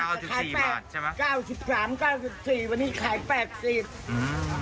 ๙๔บาทใช่ไหม